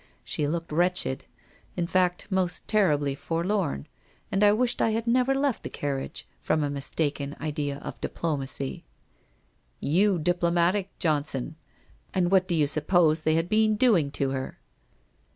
She looked wretched; in fact, most terribly forlorn, and I wished I had never left the carriage, from a mistaken idea of diplomacy.' 'You diplomatic, Johnson! And what do you suppose they had been doing to her?